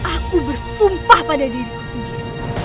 aku bersumpah pada diriku sendiri